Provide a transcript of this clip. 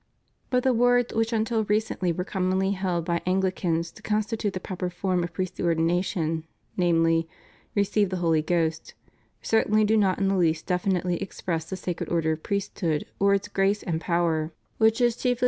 But the words which until recently were commonly held by Anglicans to constitute the proper form of priestly Ordination — namely, "Receive the Holy Ghost," certainly do not in the least definitely express the Sacred Order of Priesthood, or its grace and power, which is chiefly ANGLICAN ORDERS.